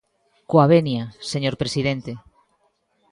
Coa venia, señor presidente.